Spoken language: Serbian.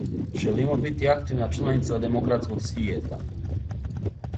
Желимо бити активна чланица демократског свијета.